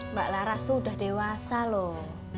mbak laras tuh udah dewasa loh